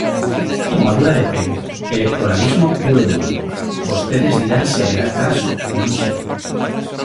Tomadura de pelo, electoralismo puro e duro, vostedes dirán se haberá atraso, non sei.